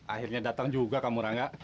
akhirnya datang juga kamu rangga